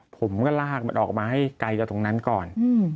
ผมก็ลากมันออกมาให้ไกลกว่าตรงนั้นก่อน